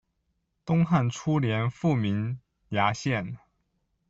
东汉初年复名衙县。